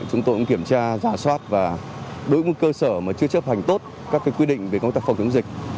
chúng tôi cũng kiểm tra giả soát và đối với cơ sở mà chưa chấp hành tốt các quy định về công tác phòng chống dịch